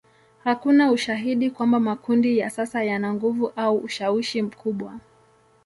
Hakuna ushahidi kwamba makundi ya sasa yana nguvu au ushawishi mkubwa.